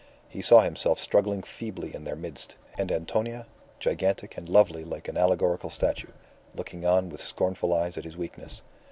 He saw himself struggling feebly in their midst, and Antonia, gigantic and lovely like an allegorical statue, looking on with scornful eyes at his weakness.